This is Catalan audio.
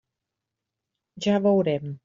Ja veurem.